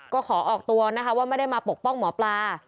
ก็ขอออกตัวนะคะว่าไม่ได้มาปกป้องหมอปลา